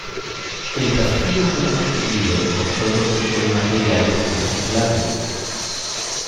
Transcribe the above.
El castillo fue construido con todo tipo de materiales reciclables.